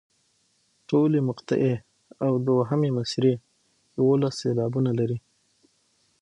ټولې مقطعې او دوهمه مصرع یوولس سېلابونه لري.